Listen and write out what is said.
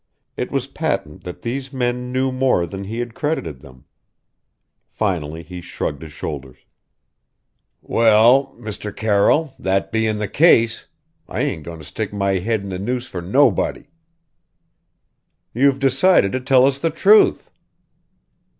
It was patent that these men knew more than he had credited them. Finally he shrugged his shoulders "Well Mr. Carroll, that bein' the case I ain't goin' to stick my head in a noose for nobody!" "You've decided to tell us the truth!"